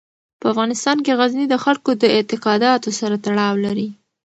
په افغانستان کې غزني د خلکو د اعتقاداتو سره تړاو لري.